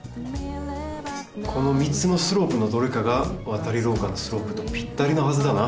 この３つのスロープのどれかがわたりろうかのスロープとぴったりなはずだな。